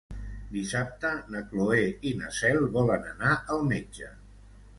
Dissabte na Cloè i na Cel volen anar al metge.